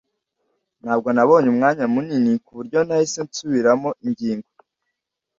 Ntabwo nabonye umwanya munini kuburyo nahise nsubiramo ingingo.